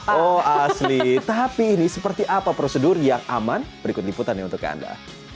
oh asli tapi ini seperti apa prosedur yang aman berikut liputannya untuk anda